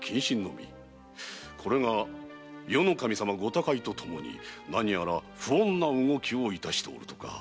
これが伊予守様ご他界とともに何やら不穏な動きをいたしておるとか。